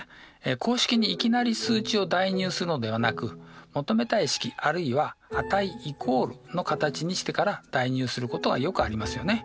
公式にいきなり数値を代入するのではなく求めたい式あるいは値イコールの形にしてから代入することはよくありますよね。